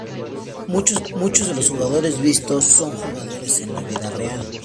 Muchos de los jugadores vistos son jugadores en la vida real.